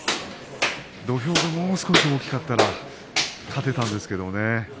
土俵でもう少し大きかったら勝てたんです。